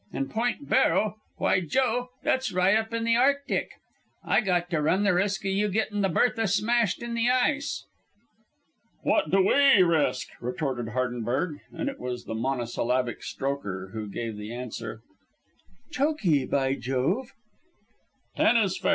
And Point Barrow why, Joe, that's right up in the Arctic. I got to run the risk o' you getting the Bertha smashed in the ice." "What do we risk?" retorted Hardenberg; and it was the monosyllabic Strokher who gave the answer: "Chokee, by Jove!" "Ten is fair.